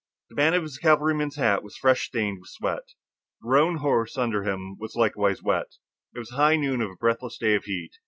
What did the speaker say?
The band of his cavalryman's hat was fresh stained with sweat. The roan horse under him was likewise wet. It was high noon of a breathless day of heat.